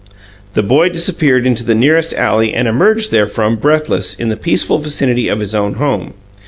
The boy disappeared into the nearest alley and emerged therefrom, breathless, in the peaceful vicinity of his own home.